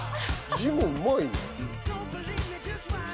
字もうまいな。